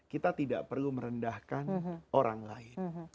kita tidak perlu merendahkan orang lain